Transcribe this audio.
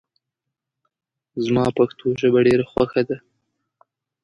زما پښتو ژبه ډېره خوښه ده